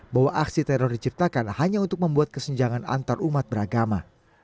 bahwa aksi teror diciptakan hanya untuk membuat kesenjangan antarumat beragama